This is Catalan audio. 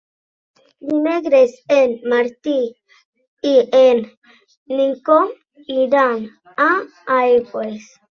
Dimecres en Martí i en Nico iran a Aigües.